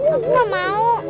aku gak mau